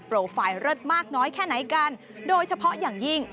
โปรไฟล์เลิศมากน้อยแค่ไหนกันโดยเฉพาะอย่างยิ่ง